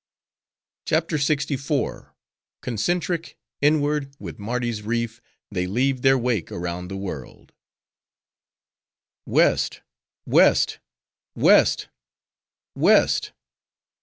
CHAPTER LXIV. Concentric, Inward, With Mardi's Reef, They Leave Their Wake Around The World West, West! West, West!